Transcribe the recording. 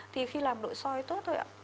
thì khi làm nội soi tốt thôi ạ